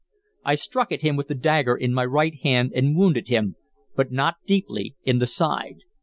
I struck at him with the dagger in my right hand, and wounded him, but not deeply, in the side.